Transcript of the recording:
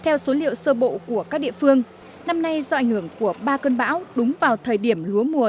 theo số liệu sơ bộ của các địa phương năm nay do ảnh hưởng của ba cơn bão đúng vào thời điểm lúa mùa